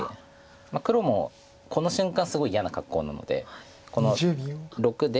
黒もこの瞬間すごい嫌な格好なのでこの⑥で。